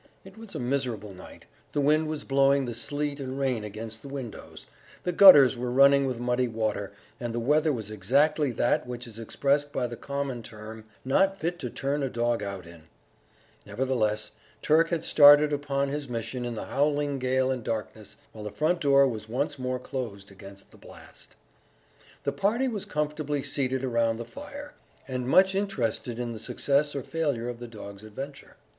It was a miserable night; the wind was blowing the sleet and rain against the windows; the gutters were running with muddy water, and the weather was exactly that which is expressed by the common term, "not fit to turn a dog out in;" nevertheless, Turk had started upon his mission in the howling gale and darkness, while the front door was once more closed against the blast. The party were comfortably seated around the fire, and much interested in the success or failure of the dog's adventure.